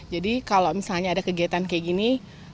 jadi kalau misalnya ada kegiatan kayak gini